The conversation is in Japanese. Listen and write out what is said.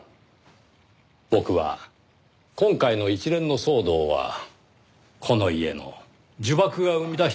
僕は今回の一連の騒動はこの家の呪縛が生み出したものだと思っています。